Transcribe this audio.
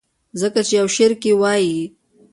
ځکه چې يو شعر کښې وائي :